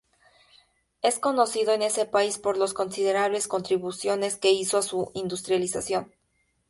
Es conocido en ese país por las considerables contribuciones que hizo a su industrialización.